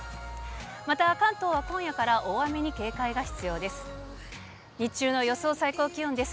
また、関東は今夜から大雨に警戒が必要です。